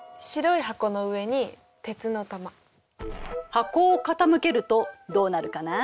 箱を傾けるとどうなるかな？